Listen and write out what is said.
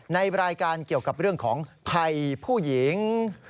ในรายการเกี่ยวกับเรื่องของภัยผู้หญิง